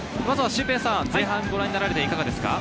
シュウペイさん、前半をご覧になっていかがですか？